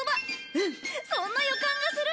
うんそんな予感がする！